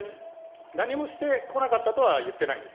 何もしてこなかったとは言ってないです。